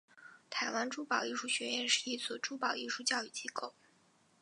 台湾珠宝艺术学院是一所珠宝艺术教育机构。